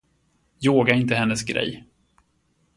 Yoga är inte hennes grej.